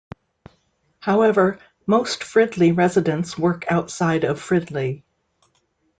However, most Fridley residents work outside of Fridley.